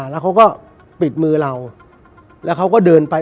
และเขาก็เดินไป